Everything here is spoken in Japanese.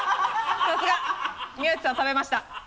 さすが！宮内さん食べました。